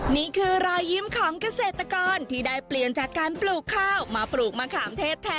นี่คือรอยยิ้มของเกษตรกรที่ได้เปลี่ยนจากการปลูกข้าว